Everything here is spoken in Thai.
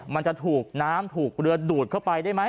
มันจะถูกน้ำถูกเรือดูดเข้าไปได้ไหม